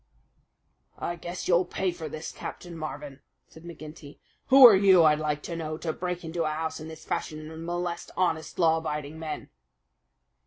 "I guess you'll pay for this, Captain Marvin," said McGinty. "Who are you, I'd like to know, to break into a house in this fashion and molest honest, law abiding men?"